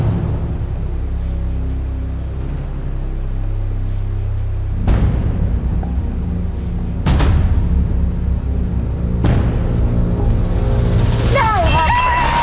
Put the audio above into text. ใช่หรือไม่ได้ครับ